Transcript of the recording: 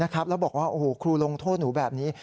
ก็บอกว่าโอ้โหครูลงโทษหนูแบบนี้